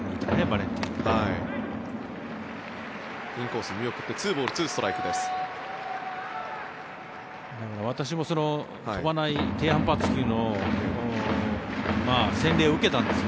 インコース見送って２ボール２ストライクです。